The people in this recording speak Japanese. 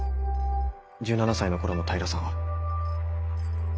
１７才の頃の平さんは。